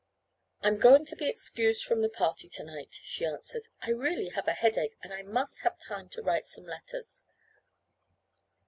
"I'm going to be excused from the party to night," she answered. "I really have a headache, and I must have time to write some letters."